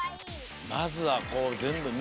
まずはこうぜんぶみてね。